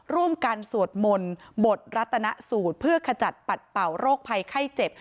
ร่วมกันสวดมนต์บทรัตนสูตรเพื่อขจัดปัดเป่าโรคภัยไข้เจ็บ